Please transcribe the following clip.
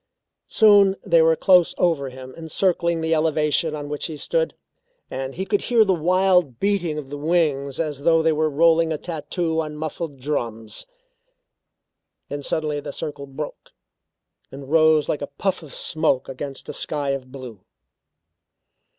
Soon they were close over him encircling the elevation on which he stood, and he could hear the wild beating of the wings as though they were rolling a tattoo on muffled drums. Then suddenly the circle broke, and rose like a puff of smoke against a sky of blue.